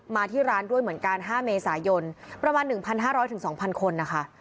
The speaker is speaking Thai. มาที่ร้านด้วยเหมือนกัน๕เมษายนประมาณ๑๕๐๐๒๐๐คนนะคะ